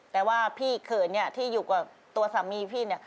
แต่ว่าพี่เขินเนี่ยที่อยู่กับตัวสามีพี่เนี่ย